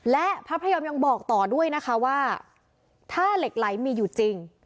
และพระพยอมยังบอกต่อด้วยนะคะว่าถ้าเหล็กไหลมีอยู่จริง